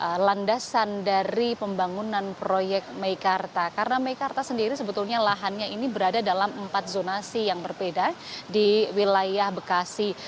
dan rdtl ini alfian yang merupakan landasan dari pembangunan proyek mekarta karena mekarta sendiri sebetulnya lahannya ini berada dalam empat zonasi yang berbeda di wilayah bekasi